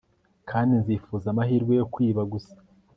kandi nzifuza amahirwe yo kwiba gusa